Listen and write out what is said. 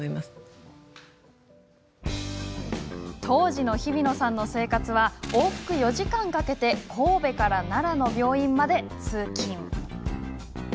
当時の日比野さんの生活は往復４時間かけて神戸から奈良の病院まで通勤。